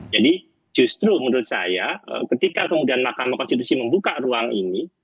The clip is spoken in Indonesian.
jadi justru menurut saya ketika kemudian mahkamah konstitusi membuka ruang ini